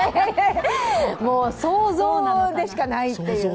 もう想像でしかないっていうね。